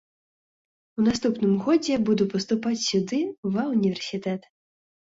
У наступным годзе буду паступаць сюды ва ўніверсітэт.